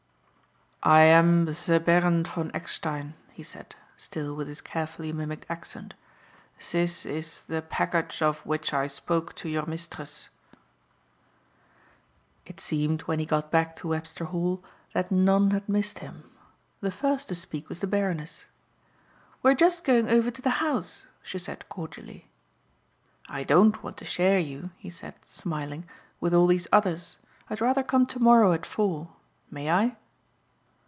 "I am the Baron von Eckstein," he said, still with his carefully mimicked accent. "This is the package of which I spoke to your mistress." It seemed, when he got back to Webster Hall, that none had missed him. The first to speak was the Baroness. "We are just going over to the house," she said cordially. "I don't want to share you," he said, smiling, "with all these others. I'd rather come to morrow at four. May I?"